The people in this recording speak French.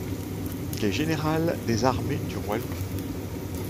Il est général des armées du roi Louis.